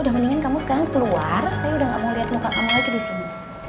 udah mendingan kamu sekarang keluar saya udah gak mau liat muka kamu lagi disini